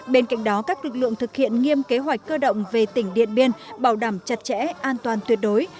bên cạnh đó các lực lượng thực hiện nghiêm kế hoạch cơ động về tỉnh điện biên bảo đảm chặt chẽ an toàn tuyệt đối